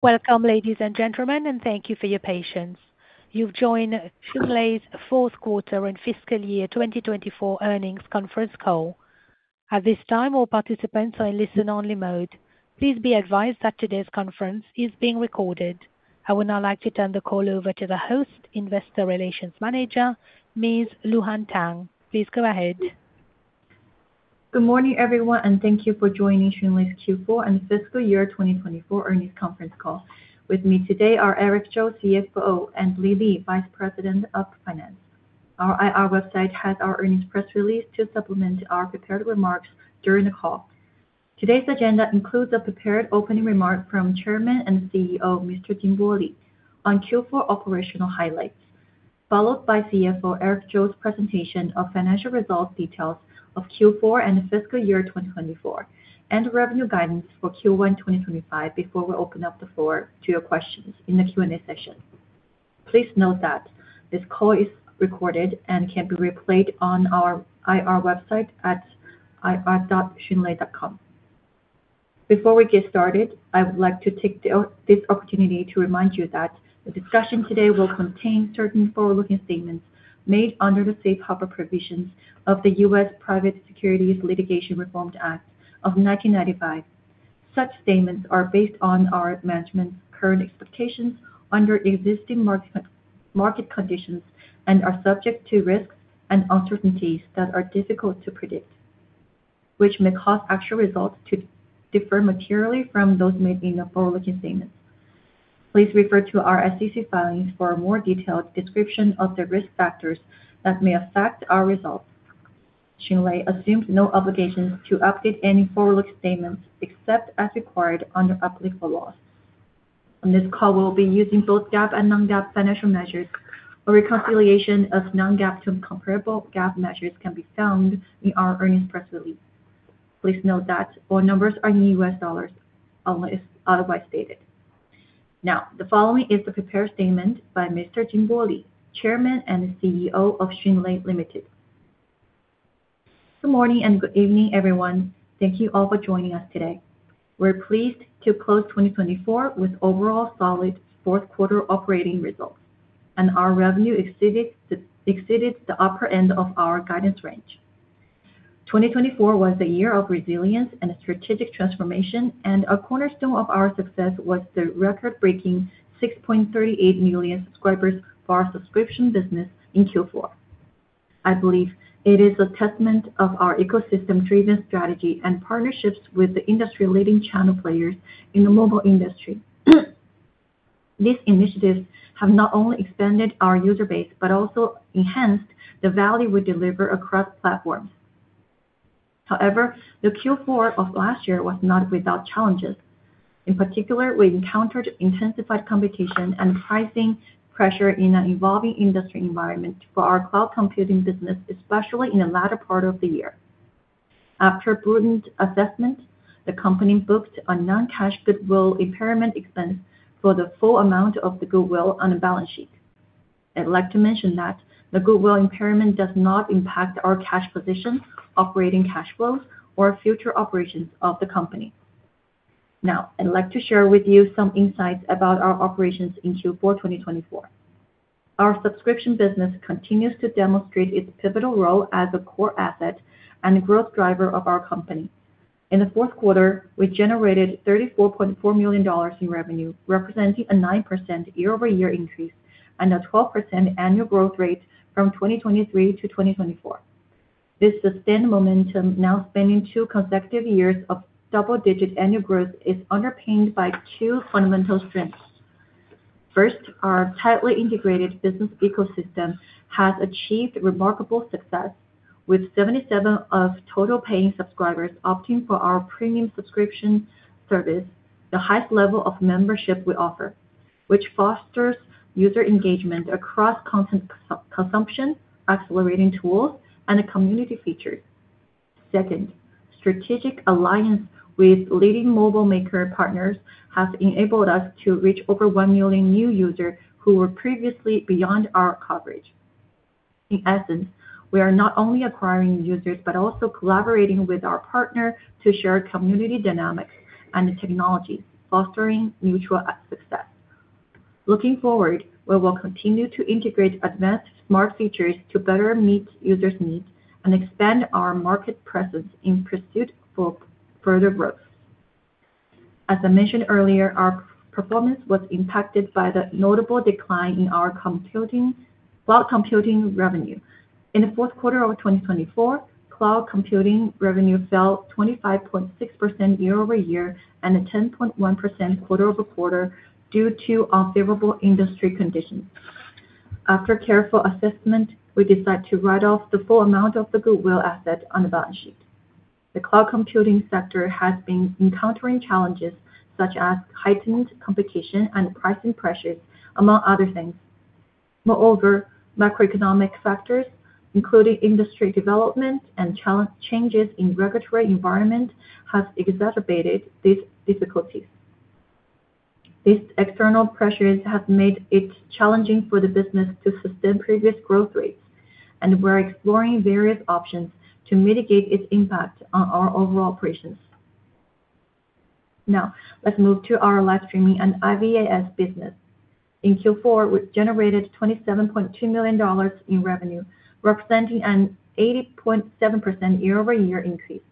Welcome, ladies and gentlemen, and thank you for your patience. You've joined Xunlei's fourth quarter and fiscal year 2024 earnings conference call. At this time, all participants are in listen-only mode. Please be advised that today's conference is being recorded. I would now like to turn the call over to the host, Investor Relations Manager, Ms. Luhan Tang. Please go ahead. Good morning, everyone, and thank you for joining Xunlei's Q4 and fiscal year 2024 earnings conference call. With me today are Eric Zhou, CFO, and Li Li, Vice President of Finance. Our IR website has our earnings press release to supplement our prepared remarks during the call. Today's agenda includes a prepared opening remark from Chairman and CEO, Mr. Jinbo Li, on Q4 operational highlights, followed by CFO Eric Zhou's presentation of financial results details of Q4 and fiscal year 2024, and revenue guidance for Q1 2025 before we open up the floor to your questions in the Q&A session. Please note that this call is recorded and can be replayed on our IR website at ir.xunlei.com. Before we get started, I would like to take this opportunity to remind you that the discussion today will contain certain forward-looking statements made under the safe harbor provisions of the U.S. Private Securities Litigation Reform Act of 1995. Such statements are based on our management's current expectations under existing market conditions and are subject to risks and uncertainties that are difficult to predict, which may cause actual results to differ materially from those made in the forward-looking statements. Please refer to our SEC filings for a more detailed description of the risk factors that may affect our results. Xunlei assumes no obligations to update any forward-looking statements except as required under applicable laws. On this call, we will be using both GAAP and non-GAAP financial measures. A reconciliation of non-GAAP to comparable GAAP measures can be found in our earnings press release. Please note that all numbers are in U.S. dollars, unless otherwise stated. Now, the following is the prepared statement by Mr. Jinbo Li, Chairman and CEO of Xunlei Limited. Good morning and good evening, everyone. Thank you all for joining us today. We're pleased to close 2024 with overall solid fourth quarter operating results, and our revenue exceeded the upper end of our guidance range. 2024 was a year of resilience and strategic transformation, and a cornerstone of our success was the record-breaking 6.38 million subscribers for our subscription business in Q4. I believe it is a testament to our ecosystem-driven strategy and partnerships with the industry-leading channel players in the mobile industry. These initiatives have not only expanded our user base but also enhanced the value we deliver across platforms. However, the Q4 of last year was not without challenges. In particular, we encountered intensified competition and pricing pressure in an evolving industry environment for our cloud computing business, especially in the latter part of the year. After a prudent assessment, the company booked a non-cash goodwill impairment expense for the full amount of the goodwill on the balance sheet. I'd like to mention that the goodwill impairment does not impact our cash position, operating cash flows, or future operations of the company. Now, I'd like to share with you some insights about our operations in Q4 2024. Our subscription business continues to demonstrate its pivotal role as a core asset and growth driver of our company. In the fourth quarter, we generated $34.4 million in revenue, representing a 9% year-over-year increase and a 12% annual growth rate from 2023 to 2024. This sustained momentum, now spanning two consecutive years of double-digit annual growth, is underpinned by two fundamental strengths. First, our tightly integrated business ecosystem has achieved remarkable success, with 77% of total paying subscribers opting for our premium subscription service, the highest level of membership we offer, which fosters user engagement across content consumption, accelerating tools, and community features. Second, strategic alliance with leading mobile maker partners has enabled us to reach over 1 million new users who were previously beyond our coverage. In essence, we are not only acquiring users but also collaborating with our partners to share community dynamics and technologies, fostering mutual success. Looking forward, we will continue to integrate advanced smart features to better meet users' needs and expand our market presence in pursuit of further growth. As I mentioned earlier, our performance was impacted by the notable decline in our cloud computing revenue. In the fourth quarter of 2024, cloud computing revenue fell 25.6% year-over-year and 10.1% quarter-over-quarter due to unfavorable industry conditions. After careful assessment, we decided to write off the full amount of the goodwill asset on the balance sheet. The cloud computing sector has been encountering challenges such as heightened competition and pricing pressures, among other things. Moreover, macroeconomic factors, including industry development and changes in the regulatory environment, have exacerbated these difficulties. These external pressures have made it challenging for the business to sustain previous growth rates, and we are exploring various options to mitigate its impact on our overall operations. Now, let's move to our live streaming and IVAS business. In Q4, we generated $27.2 million in revenue, representing an 80.7% year-over-year increase.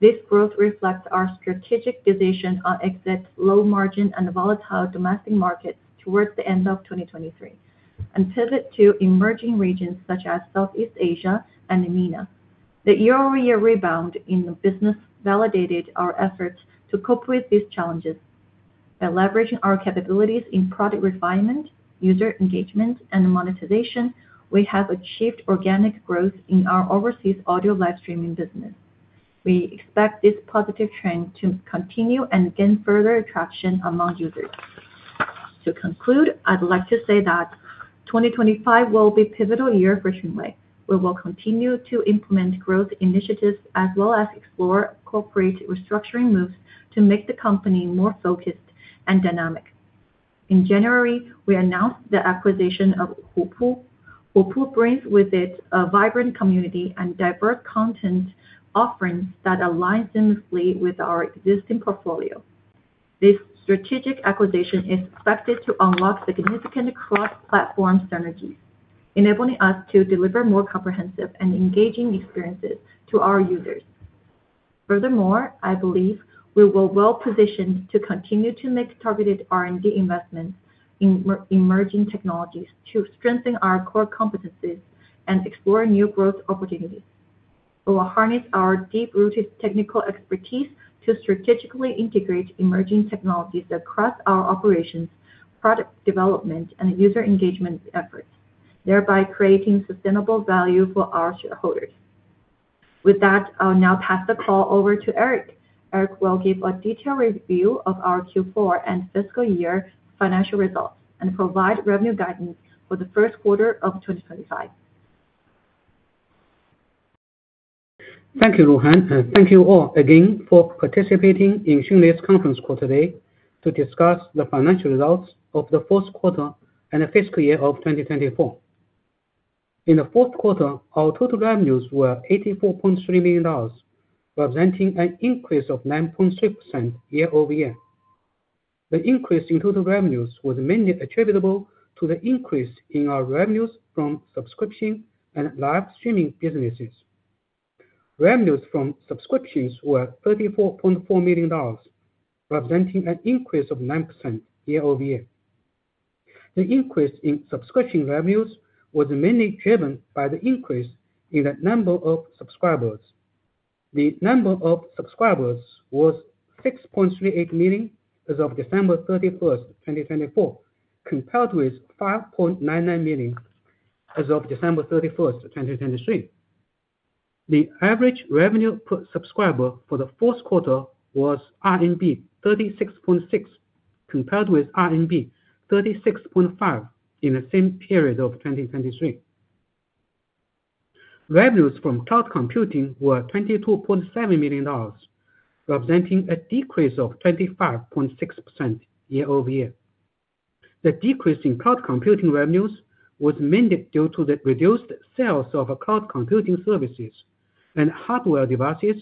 This growth reflects our strategic decision on exiting low-margin and volatile domestic markets towards the end of 2023 and pivoting to emerging regions such as Southeast Asia and EMENA. The year-over-year rebound in the business validated our efforts to cope with these challenges. By leveraging our capabilities in product refinement, user engagement, and monetization, we have achieved organic growth in our overseas audio live streaming business. We expect this positive trend to continue and gain further traction among users. To conclude, I'd like to say that 2025 will be a pivotal year for Xunlei. We will continue to implement growth initiatives as well as explore corporate restructuring moves to make the company more focused and dynamic. In January, we announced the acquisition of Hupu. Hupu brings with it a vibrant community and diverse content offerings that align seamlessly with our existing portfolio. This strategic acquisition is expected to unlock significant cross-platform synergies, enabling us to deliver more comprehensive and engaging experiences to our users. Furthermore, I believe we will be well-positioned to continue to make targeted R&D investments in emerging technologies to strengthen our core competencies and explore new growth opportunities. We will harness our deep-rooted technical expertise to strategically integrate emerging technologies across our operations, product development, and user engagement efforts, thereby creating sustainable value for our shareholders. With that, I'll now pass the call over to Eric. Eric will give a detailed review of our Q4 and fiscal year financial results and provide revenue guidance for the first quarter of 2025. Thank you, Luhan, and thank you all again for participating in Xunlei's conference call today to discuss the financial results of the fourth quarter and the fiscal year of 2024. In the fourth quarter, our total revenues were $84.3 million, representing an increase of 9.3% year-over-year. The increase in total revenues was mainly attributable to the increase in our revenues from subscription and live streaming businesses. Revenues from subscriptions were $34.4 million, representing an increase of 9% year-over-year. The increase in subscription revenues was mainly driven by the increase in the number of subscribers. The number of subscribers was 6.38 million as of December 31, 2024, compared with 5.99 million as of December 31, 2023. The average revenue per subscriber for the fourth quarter was RMB 36.6, compared with RMB 36.5 in the same period of 2023. Revenues from cloud computing were $22.7 million, representing a decrease of 25.6% year-over-year. The decrease in cloud computing revenues was mainly due to the reduced sales of cloud computing services and hardware devices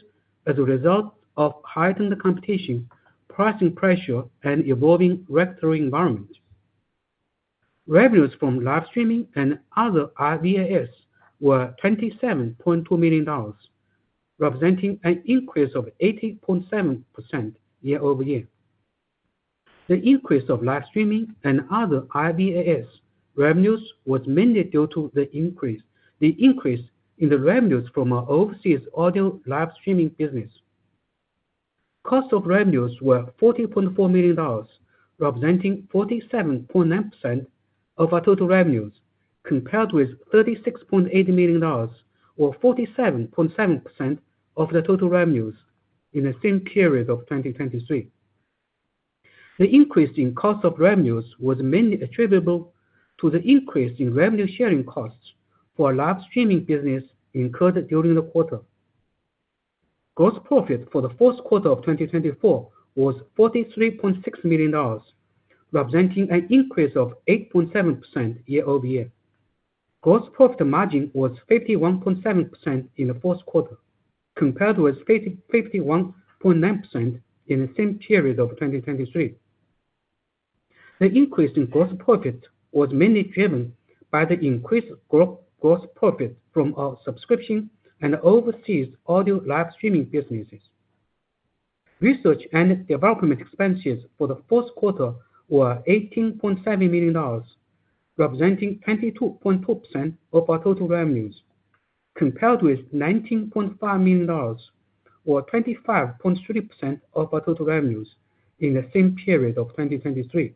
as a result of heightened competition, pricing pressure, and evolving regulatory environment. Revenues from live streaming and other IVAS were $27.2 million, representing an increase of 80.7% year-over-year. The increase of live streaming and other IVAS revenues was mainly due to the increase in the revenues from our overseas audio live streaming business. Cost of revenues were $40.4 million, representing 47.9% of our total revenues, compared with $36.8 million, or 47.7% of the total revenues in the same period of 2023. The increase in cost of revenues was mainly attributable to the increase in revenue sharing costs for our live streaming business incurred during the quarter. Gross profit for the fourth quarter of 2024 was $43.6 million, representing an increase of 8.7% year-over-year. Gross profit margin was 51.7% in the fourth quarter, compared with 51.9% in the same period of 2023. The increase in gross profit was mainly driven by the increased gross profit from our subscription and overseas audio live streaming businesses. Research and development expenses for the fourth quarter were $18.7 million, representing 22.2% of our total revenues, compared with $19.5 million, or 25.3% of our total revenues in the same period of 2023.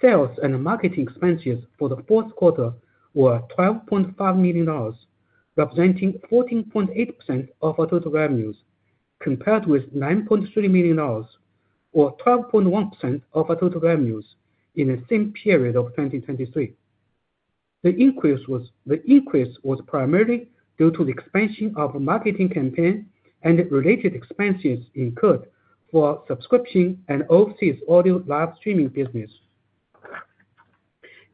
Sales and marketing expenses for the fourth quarter were $12.5 million, representing 14.8% of our total revenues, compared with $9.3 million, or 12.1% of our total revenues in the same period of 2023. The increase was primarily due to the expansion of marketing campaigns and related expenses incurred for our subscription and overseas audio live streaming business.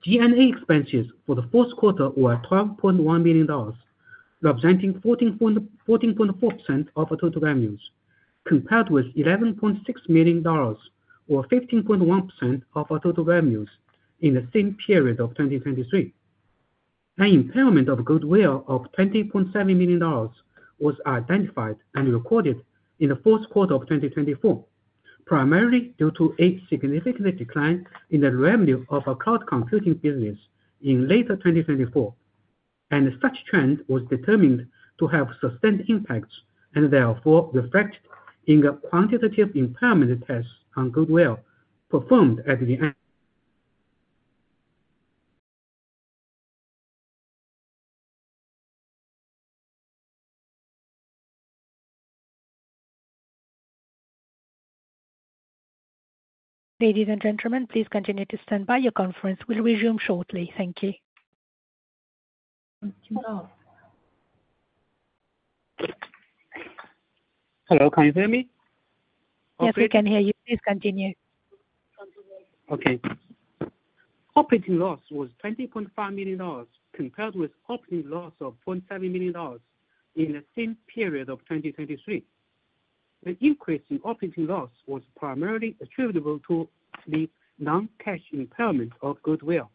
G&A expenses for the fourth quarter were $12.1 million, representing 14.4% of our total revenues, compared with $11.6 million, or 15.1% of our total revenues in the same period of 2023. An impairment of goodwill of $20.7 million was identified and recorded in the fourth quarter of 2024, primarily due to a significant decline in the revenue of our cloud computing business in late 2024. Such trend was determined to have sustained impacts and therefore reflected in the quantitative impairment tests on goodwill performed at the end. Ladies and gentlemen, please continue to stand by. Your conference will resume shortly. Thank you. Hello. Can you hear me? Yes, we can hear you. Please continue. Okay. Operating loss was $20.5 million, compared with operating loss of $0.7 million in the same period of 2023. The increase in operating loss was primarily attributable to the non-cash impairment of goodwill.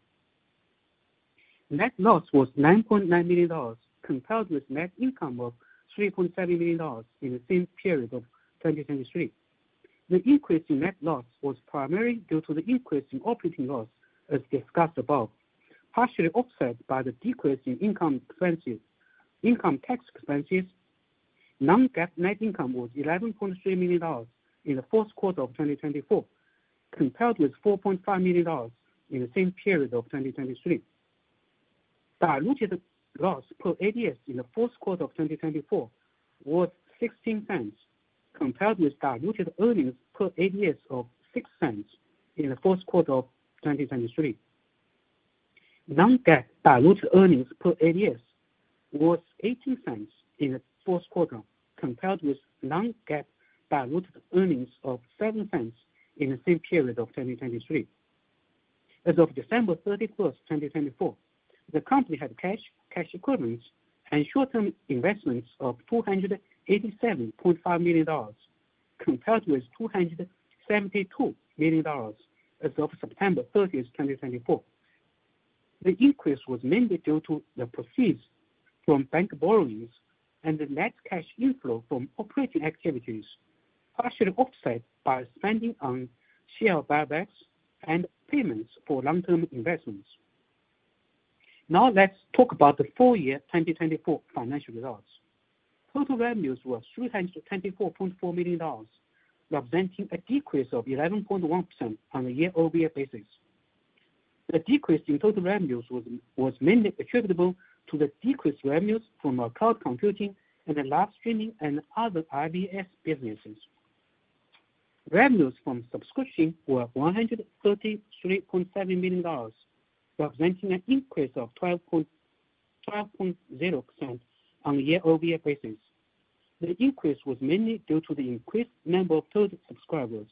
Net loss was $9.9 million, compared with net income of $3.7 million in the same period of 2023. The increase in net loss was primarily due to the increase in operating loss, as discussed above, partially offset by the decrease in income tax expenses. Non-GAAP net income was $11.3 million in the fourth quarter of 2024, compared with $4.5 million in the same period of 2023. Diluted loss per ADS in the fourth quarter of 2024 was $0.16, compared with diluted earnings per ADS of $0.06 in the fourth quarter of 2023. Non-GAAP diluted earnings per ADS was $0.18 in the fourth quarter, compared with non-GAAP diluted earnings of $0.07 in the same period of 2023. As of December 31, 2024, the company had cash equivalents and short-term investments of $287.5 million, compared with $272 million as of September 30, 2024. The increase was mainly due to the proceeds from bank borrowings and the net cash inflow from operating activities, partially offset by spending on share buybacks and payments for long-term investments. Now, let's talk about the full year 2024 financial results. Total revenues were $324.4 million, representing a decrease of 11.1% on a year-over-year basis. The decrease in total revenues was mainly attributable to the decreased revenues from our cloud computing and live streaming and other IVAS businesses. Revenues from subscription were $133.7 million, representing an increase of 12.0% on a year-over-year basis. The increase was mainly due to the increased number of total subscribers,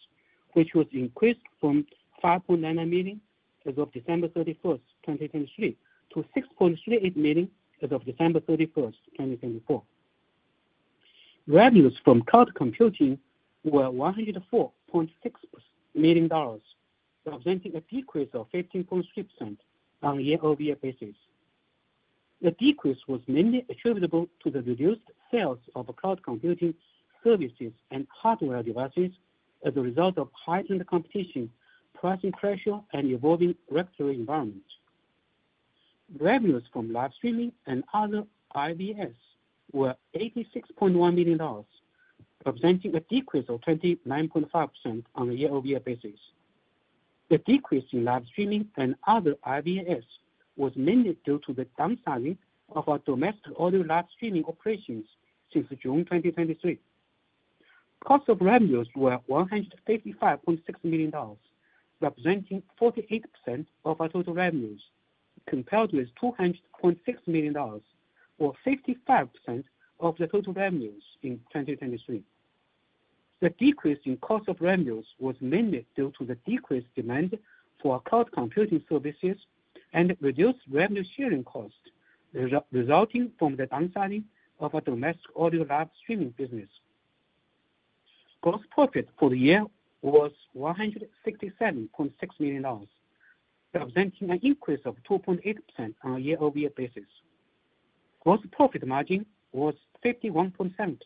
which was increased from 5.99 million as of December 31, 2023, to 6.38 million as of December 31, 2024. Revenues from cloud computing were $104.6 million, representing a decrease of 15.3% on a year-over-year basis. The decrease was mainly attributable to the reduced sales of cloud computing services and hardware devices as a result of heightened competition, pricing pressure, and evolving regulatory environment. Revenues from live streaming and other IVAS were $86.1 million, representing a decrease of 29.5% on a year-over-year basis. The decrease in live streaming and other IVAS was mainly due to the downsizing of our domestic audio live streaming operations since June 2023. Cost of revenues were $185.6 million, representing 48% of our total revenues, compared with $200.6 million, or 55% of the total revenues in 2023. The decrease in cost of revenues was mainly due to the decreased demand for our cloud computing services and reduced revenue sharing costs resulting from the downsizing of our domestic audio live streaming business. Gross profit for the year was $167.6 million, representing an increase of 2.8% on a year-over-year basis. Gross profit margin was 51.7%,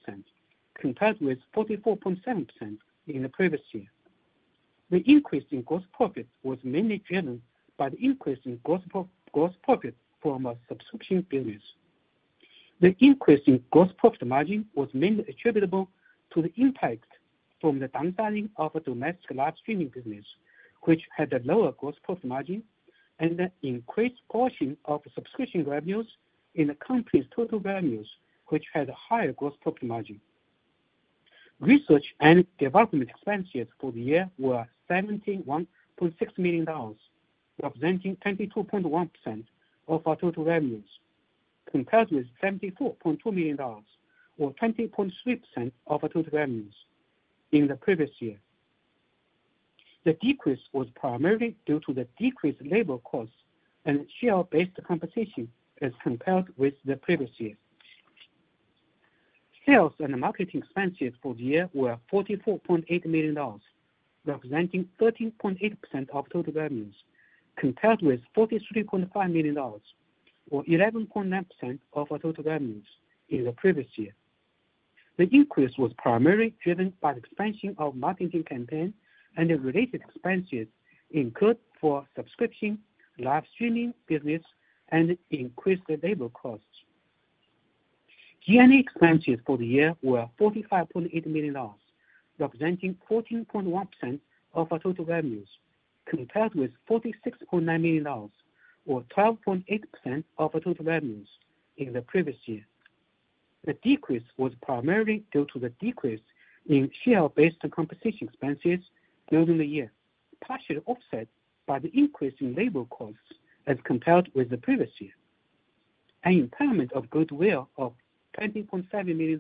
compared with 44.7% in the previous year. The increase in gross profit was mainly driven by the increase in gross profit from our subscription business. The increase in gross profit margin was mainly attributable to the impact from the downsizing of our domestic live streaming business, which had a lower gross profit margin, and the increased portion of subscription revenues in the company's total revenues, which had a higher gross profit margin. Research and development expenses for the year were $71.6 million, representing 22.1% of our total revenues, compared with $74.2 million, or 20.3% of our total revenues in the previous year. The decrease was primarily due to the decreased labor costs and share-based compensation, as compared with the previous year. Sales and marketing expenses for the year were $44.8 million, representing 13.8% of total revenues, compared with $43.5 million, or 11.9% of our total revenues in the previous year. The increase was primarily driven by the expansion of marketing campaigns and related expenses incurred for subscription, live streaming business, and increased labor costs. G&A expenses for the year were $45.8 million, representing 14.1% of our total revenues, compared with $46.9 million, or 12.8% of our total revenues in the previous year. The decrease was primarily due to the decrease in share-based compensation expenses during the year, partially offset by the increase in labor costs as compared with the previous year. An impairment of goodwill of $20.7 million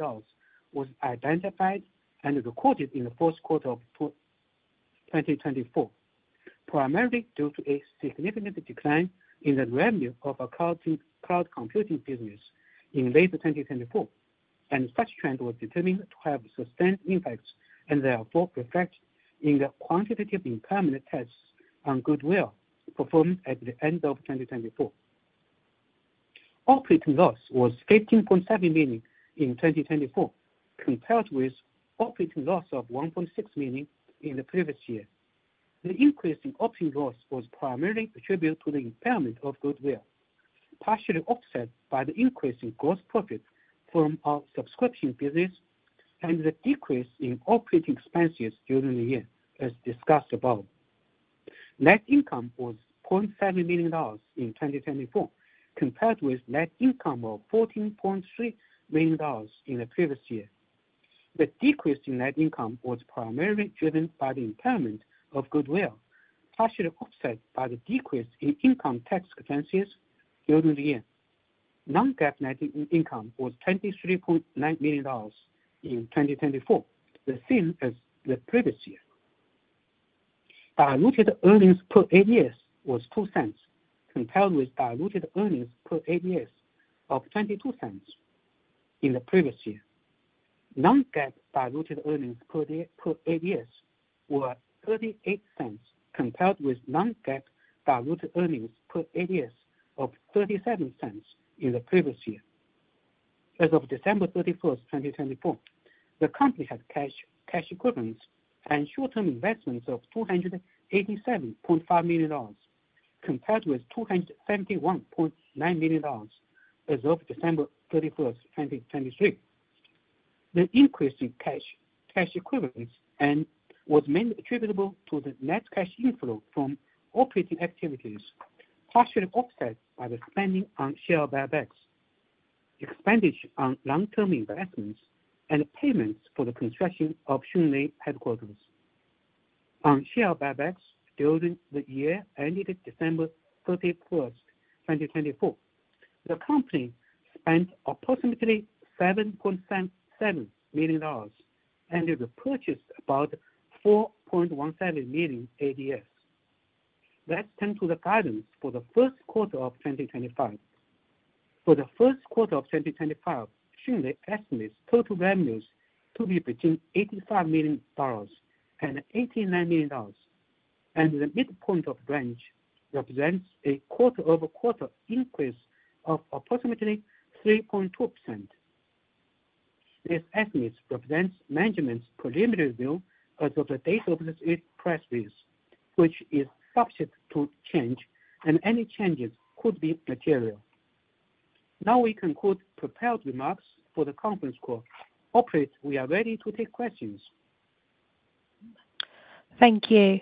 was identified and recorded in the fourth quarter of 2024, primarily due to a significant decline in the revenue of our cloud computing business in late 2024. Such trend was determined to have sustained impacts and therefore reflected in the quantitative impairment tests on goodwill performed at the end of 2024. Operating loss was $15.7 million in 2024, compared with operating loss of $1.6 million in the previous year. The increase in operating loss was primarily attributed to the impairment of goodwill, partially offset by the increase in gross profit from our subscription business and the decrease in operating expenses during the year, as discussed above. Net income was $0.7 million in 2024, compared with net income of $14.3 million in the previous year. The decrease in net income was primarily driven by the impairment of goodwill, partially offset by the decrease in income tax expenses during the year. Non-GAAP net income was $23.9 million in 2024, the same as the previous year. Diluted earnings per ADS was $0.02, compared with diluted earnings per ADS of $0.22 in the previous year. Non-GAAP diluted earnings per ADS were $0.38, compared with non-GAAP diluted earnings per ADS of $0.37 in the previous year. As of December 31, 2024, the company had cash equivalents and short-term investments of $287.5 million, compared with $271.9 million as of December 31, 2023. The increase in cash equivalents was mainly attributable to the net cash inflow from operating activities, partially offset by the spending on share buybacks, expenditure on long-term investments, and payments for the construction of Xunlei headquarters. On share buybacks during the year ended December 31, 2024, the company spent approximately $7.7 million and repurchased about $4.17 million ADS. Let's turn to the guidance for the first quarter of 2025. For the first quarter of 2025, Xunlei estimates total revenues to be between $85 million and $89 million, and the midpoint of the range represents a quarter-over-quarter increase of approximately 3.2%. This estimate represents management's preliminary view as of the date of this press release, which is subject to change, and any changes could be material. Now we conclude prepared remarks for the conference call. Operators, we are ready to take questions. Thank you.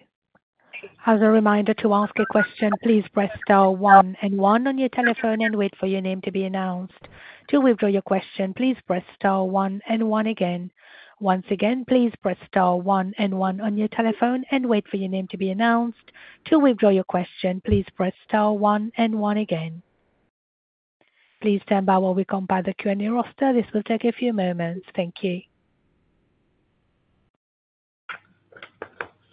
As a reminder to ask a question, please press star one and one on your telephone and wait for your name to be announced. To withdraw your question, please press star one and one again. Once again, please press star one and one on your telephone and wait for your name to be announced. To withdraw your question, please press star one and one again. Please stand by while we compile the Q&A roster. This will take a few moments. Thank you.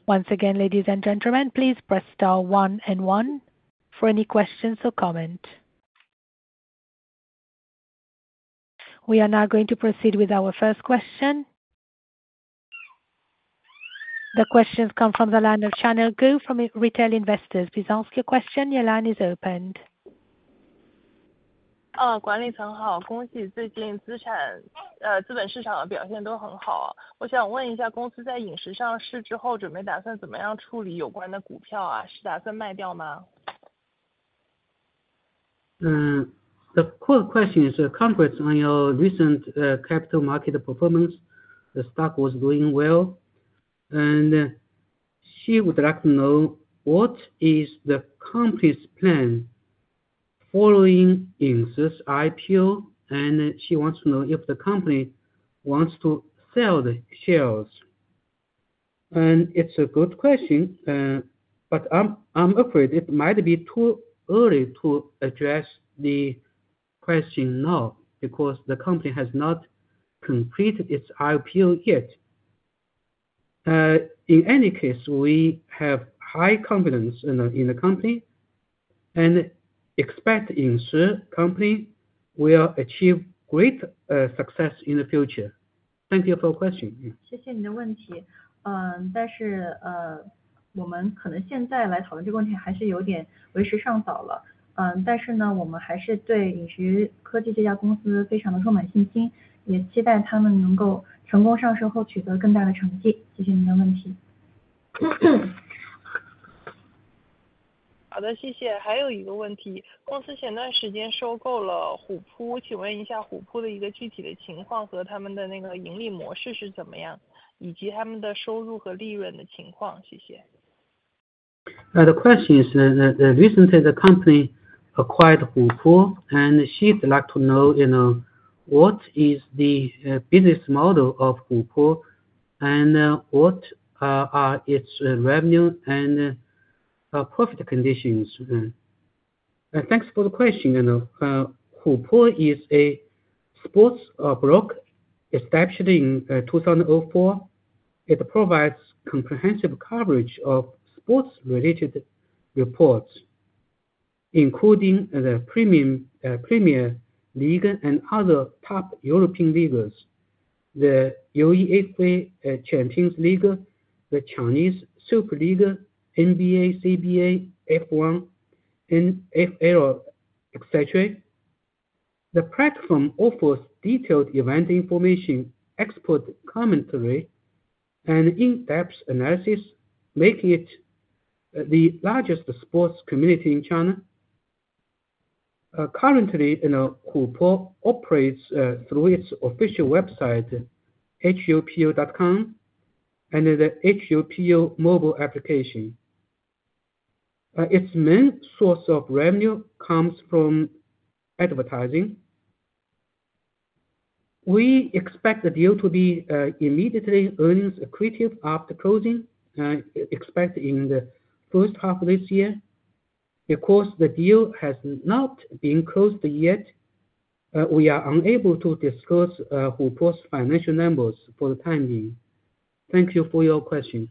Once again, ladies and gentlemen, please press star one and one for any questions or comments. We are now going to proceed with our first question. The questions come from the Lionel Channel Group from Retail Investors. Please ask your question. Your line is opened. 哦，管理层好。恭喜最近资产，呃，资本市场的表现都很好。我想问一下公司在饮食上市之后，准备打算怎么样处理有关的股票啊？是打算卖掉吗？ The question is a conference on your recent capital market performance. The stock was doing well, and she would like to know what is the company's plan following Yingshi IPO, and she wants to know if the company wants to sell the shares. It is a good question, but I'm afraid it might be too early to address the question now because the company has not completed its IPO yet. In any case, we have high confidence in the company, and expect Xunlei company will achieve great success in the future. Thank you for the question. 谢谢您的问题。嗯，但是，呃，我们可能现在来讨论这个问题还是有点为时尚早了。嗯，但是呢，我们还是对饮食科技这家公司非常的充满信心，也期待他们能够成功上市后取得更大的成绩。谢谢您的问题。好的，谢谢。还有一个问题，公司前段时间收购了虎扑，请问一下虎扑的一个具体的情况和他们的那个盈利模式是怎么样，以及他们的收入和利润的情况？谢谢。The question is, the, the recently the company acquired Hupu, and she'd like to know, you know, what is the, business model of Hupu and, what, are its revenue and, profit conditions? Thanks for the question. You know, Hupu is a sports blog established in, 2004. It provides comprehensive coverage of sports-related reports, including the Premier League and other top European leagues: the UEFA Champions League, the Chinese Super League, NBA, CBA, F1, NFL, etc. The platform offers detailed event information, expert commentary, and in-depth analysis, making it, the largest sports community in China. Currently, you know, Hupu operates, through its official website, Hupu.com, and the Hupu mobile application. Its main source of revenue comes from advertising. We expect the deal to be, immediately earnings accretive after closing, expected in the first half of this year. Because the deal has not been closed yet, we are unable to disclose Hupu's financial numbers for the time being. Thank you for your question.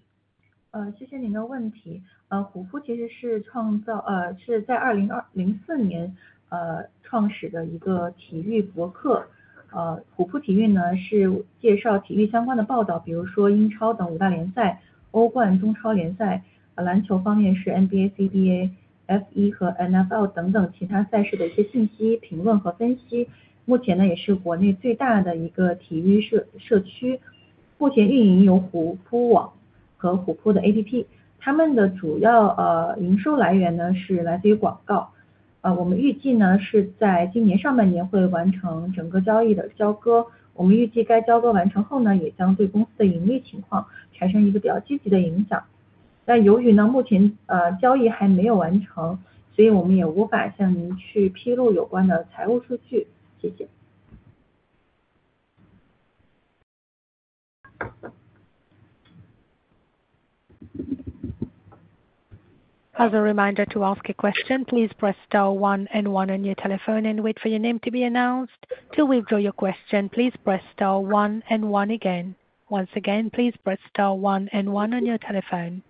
As a reminder to ask a question, please press star one and one on your telephone and wait for your name to be announced. To withdraw your question, please press star one and one again. Once again, please press star one and one on your telephone.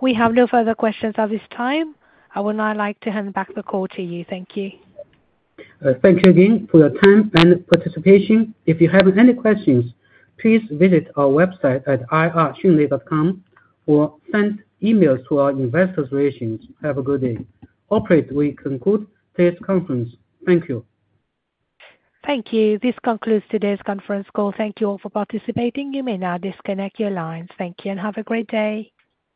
We have no further questions at this time. I would now like to hand back the call to you. Thank you. Thank you again for your time and participation. If you have any questions, please visit our website at ir.xunlei.com or send emails to our investor relations. Have a good day. Operators, we conclude today's conference. Thank you. Thank you. This concludes today's conference call. Thank you all for participating. You may now disconnect your lines. Thank you and have a great day.